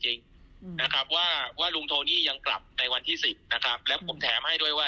ว่าลุงโทนี่ยังกลับในวันที่๑๐และผมแถมให้ด้วยว่า